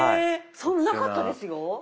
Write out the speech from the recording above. そんななかったですよ。